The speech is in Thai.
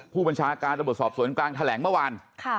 ผู้บัญชาการตำรวจสอบสวนกลางแถลงเมื่อวาน